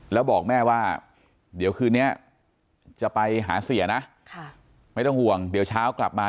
แล้วบอกแม่ว่าเดี๋ยวคืนนี้จะไปหาเสียนะไม่ต้องห่วงเดี๋ยวเช้ากลับมา